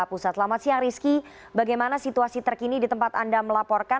pusat selamat siang rizky bagaimana situasi terkini di tempat anda melaporkan